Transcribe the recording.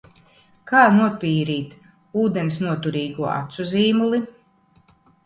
Kā notīrīt ūdensnoturīgo acu zīmuli?